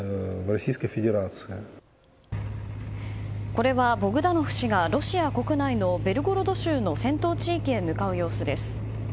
これはボグダノフ氏がロシア国内のベルゴロド州の戦闘地域へ向かう様子です。